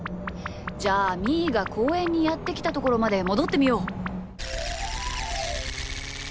じゃあみーがこうえんにやってきたところまでもどってみよう。